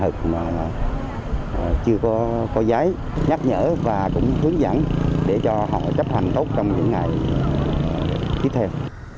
trường hợp mà chưa có giấy nhắc nhở và cũng hướng dẫn để cho họ chấp hành tốt trong những ngày tiếp theo